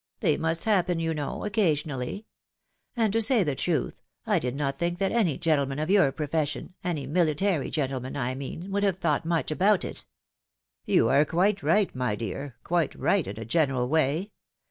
They must happen, you know, occasionally ; and to say the truth, I did not think that any gentleman of your profession, any military gentleman, I mean, would have thought much about it." " You are quite right, my dear — quite right, in a general way.